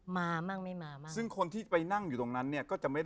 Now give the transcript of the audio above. มันจะต้องมีติ๊ดติ๊ดติ๊ด